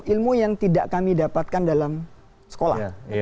ilmu yang tidak kami dapatkan dalam sekolah